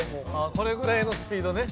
これぐらいのスピードね。